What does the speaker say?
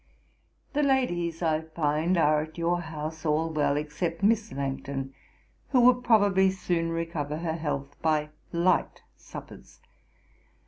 'The ladies, I find, are at your house all well, except Miss Langton, who will probably soon recover her health by light suppers.